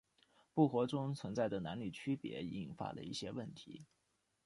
部活中存在的男女区别已引发了一些问题。